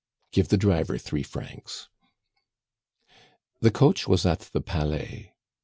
"Give the driver three francs." The coach was at the Palais.